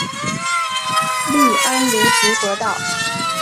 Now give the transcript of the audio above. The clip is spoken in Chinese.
隶安庐滁和道。